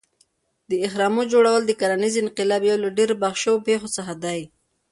د اهرامو جوړول د کرنیز انقلاب یو له ډېرو بحث شوو پېښو څخه دی.